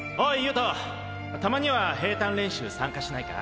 人たまには平坦練習参加しないか？